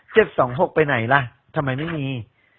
สองหกไปไหนล่ะทำไมไม่มี